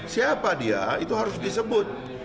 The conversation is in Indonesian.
siapa dia itu harus disebut